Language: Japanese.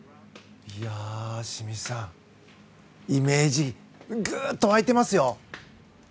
清水さんイメージ、ぐっと湧いてますよ。